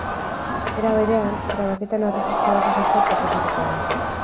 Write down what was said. Era berean, grabaketen erregistro bat osatzea proposatuko du.